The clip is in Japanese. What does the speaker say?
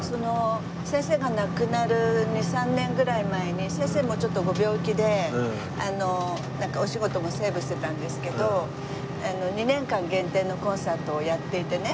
先生が亡くなる２３年ぐらい前に先生もちょっとご病気でお仕事もセーブしてたんですけど２年間限定のコンサートをやっていてね